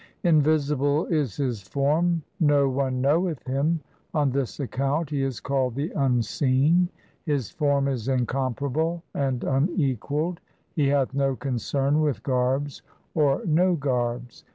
Invisible is His form, no one knoweth Him ; On this account he is called the Unseen. His form is incomparable and unequalled ; He hath no concern with garbs or no garbs.